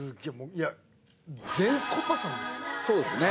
いやそうですね。